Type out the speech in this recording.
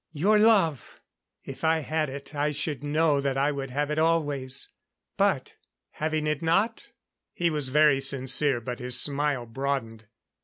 Your love! If I had it, I should know that I would have it always. But having it not " He was very sincere, but his smile broadened.